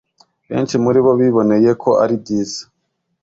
Benshi muri bo biboneye ko ari byiza.